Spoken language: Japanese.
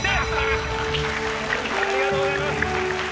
ありがとうございます。